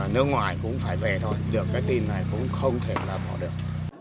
nơi ngoài cũng phải về thôi được cái tin này cũng không thể bỏ được